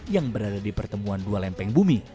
yang berada di pertemuan dua lempeng bumi